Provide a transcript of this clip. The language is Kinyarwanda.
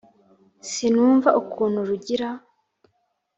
Sinumva ukuntu Rugira